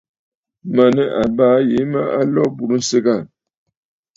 Mə̀ nɨ àbaa yìi mə a lo a aburə nsɨgə aà.